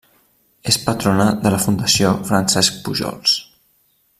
És patrona de la Fundació Francesc Pujols.